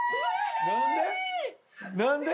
何で？